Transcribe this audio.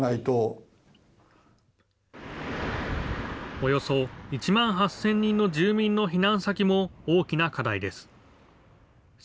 およそ１万８０００人の住民の避難先も大きな課題です。